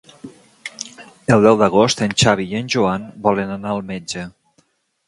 El deu d'agost en Xavi i en Joan volen anar al metge.